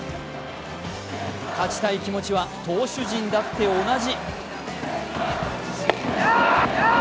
勝ちたい気持ちは投手陣だって同じ。